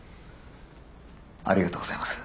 ありがとうございます。